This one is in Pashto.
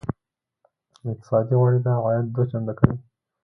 اقتصادي غوړېدا عاید دوه چنده کوي.